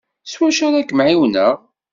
S wacu ara k-ɛiwneɣ?